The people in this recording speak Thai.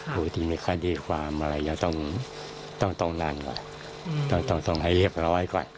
ผู้ที่มีคดีความอะไรจะต้องตรงนั้นว่ะต้องตรงให้เรียบร้อยก่อน